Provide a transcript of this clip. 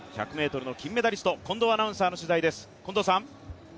１００ｍの金メダリスト近藤アナウンサーの取材です。